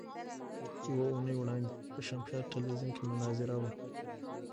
يوه اونۍ وړاندې په شمشاد ټلوېزيون کې مناظره وه.